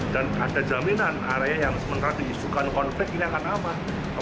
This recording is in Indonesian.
dan ada jaminan area yang sementara diisukan konflik ini akan aman